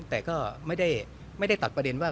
แต่ก็ไม่ได้ตัดประเด็นว่า